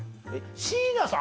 椎名さん